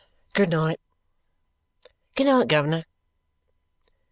"Good night!" "Good night, guv'ner."